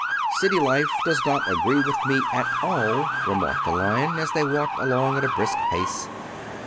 "City life does not agree with me at all," remarked the Lion, as they walked along at a brisk pace.